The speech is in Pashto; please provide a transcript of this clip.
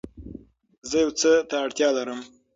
زه يو څه ته اړتيا لرم